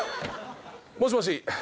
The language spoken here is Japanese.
もしもし。